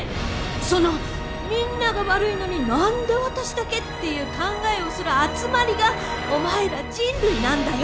その「みんなが悪いのに何で私だけ？」っていう考えをする集まりがお前ら人類なんだよ！